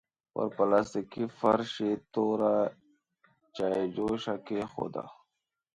پر پلاستيکي فرش يې توره چايجوشه کېښوده.